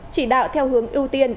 chỉ đạo theo hướng ưu tiên